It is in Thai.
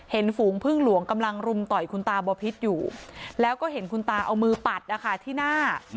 ฝูงพึ่งหลวงกำลังรุมต่อยคุณตาบอพิษอยู่แล้วก็เห็นคุณตาเอามือปัดนะคะที่หน้า